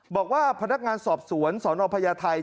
บอกว่าพนักงานสอบสวนสนพญาไทย